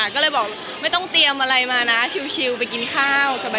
ก็เลยบอกไม่ต้องเตรียมอะไรมานะชิลไปกินข้าวสบาย